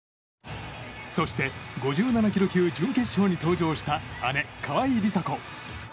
そして５７ｋｇ準決勝に登場した姉・川井梨紗子。